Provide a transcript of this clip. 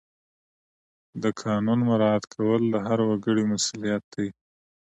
د قانون مراعات کول د هر وګړي مسؤلیت دی.